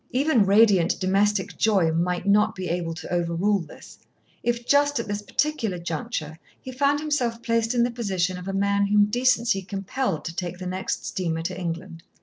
Even radiant domestic joy might not be able to overrule this, if just at this particular juncture he found himself placed in the position of a man whom decency compelled to take the next steamer to England.